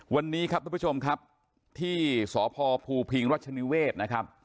วันนี้ครับทุกผู้ชมครับที่สพภูพิงรัชนิเวศนะครับ